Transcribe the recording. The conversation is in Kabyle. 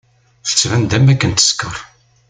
Tettban-d am akken teskeṛ.